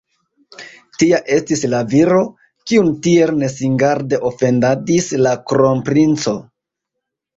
Tia estis la viro, kiun tiel nesingarde ofendadis la kronprinco.